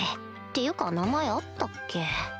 っていうか名前あったっけ？